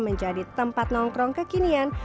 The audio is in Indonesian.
menjadi tempat nongkrong kekinian